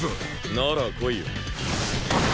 なら来いよ。